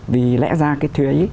vì lẽ ra cái thuế